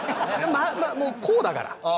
まあもうこうだから。